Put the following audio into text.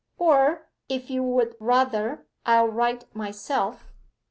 Or, if you would rather, I'll write myself?